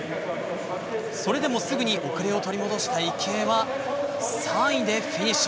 それでもすぐに遅れを取り戻した池江は３位でフィニッシュ。